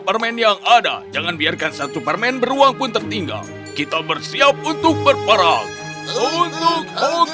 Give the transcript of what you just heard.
permen yang ada jangan biarkan satu permen beruang pun tertinggal kita bersiap untuk berperang untuk